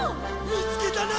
見つけたな！